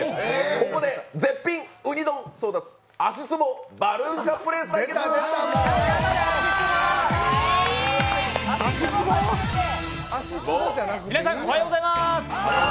ここで絶品ウニ丼争奪足つぼバルーンカップレース対決皆さんおはようございます